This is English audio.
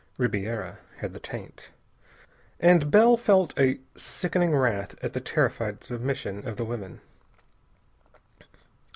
Ribiera had the taint, and Bell felt a sickening wrath at the terrified submission of the women.